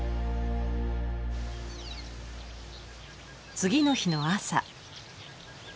次の日の朝。